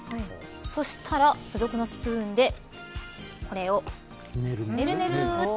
そしたら付属のスプーンでこれを、ねるねると。